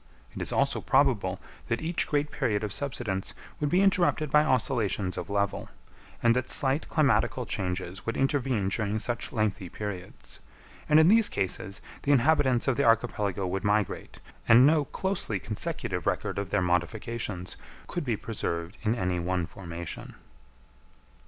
It is also probable that each great period of subsidence would be interrupted by oscillations of level, and that slight climatical changes would intervene during such lengthy periods; and in these cases the inhabitants of the archipelago would migrate, and no closely consecutive record of their modifications could be preserved in any one formation.